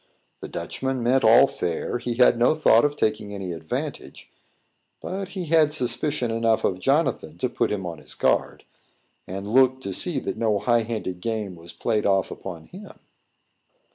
The Dutchman meant all fair; he had no thought of taking any advantage: but he had suspicion enough of Jonathan to put him on his guard, and look to see that no high handed game was played off upon him.